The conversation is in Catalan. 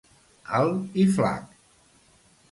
Alt i flac.